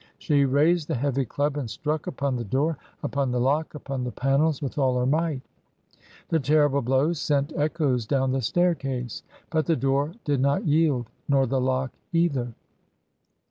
She raised the heavy club and struck upon the door, upon the lock, upon the panels with all her might. The terrible blows sent echoes down the staircase, but the door did not yield, nor the lock either.